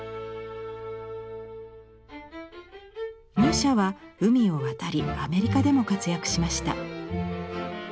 ミュシャは海を渡りアメリカでも活躍しました。